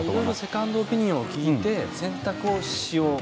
セカンドオピニオンを聞いて、選択をしようと。